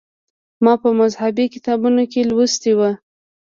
ما په مذهبي کتابونو کې لوستي و.